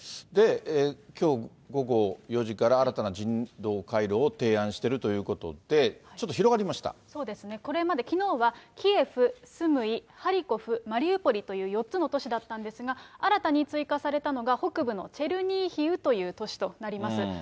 で、きょう午後４時から、新たな人道回廊を提案しているということで、ちょっとそうですね、これまで、きのうはキエフ、スムイ、ハリコフ、マリウポリという４つの都市だったんですが、新たに追加されたのが、北部のチェルニーヒウという都市となります。